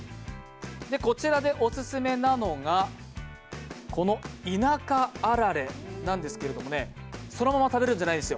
こちらでオススメなのがこの田舎あられなんですけれども、そのまま食べるんじゃないんです。